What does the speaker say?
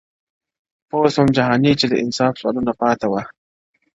پوه سوم جهاني چي د انصاف سوالونه پاته وه-